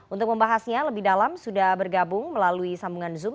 untuk membahasnya lebih dalam sudah bergabung melalui sambungan zoom